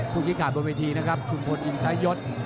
คุณชิคกี้พายบนวิธีนะครับชุมพลอินทรายศ